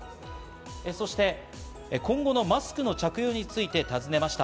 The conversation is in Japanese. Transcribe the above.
そして今後のマスク着用について尋ねました。